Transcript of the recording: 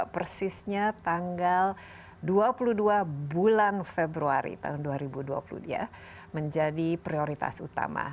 persisnya tanggal dua puluh dua bulan februari tahun dua ribu dua puluh dua menjadi prioritas utama